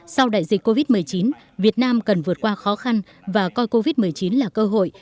sau đại dịch covid một mươi chín việt nam cần vượt qua khó khăn và coi covid một mươi chín là cơ hội